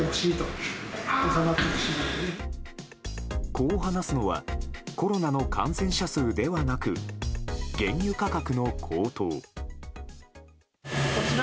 こう話すのはコロナの感染者数ではなく原油価格の高騰。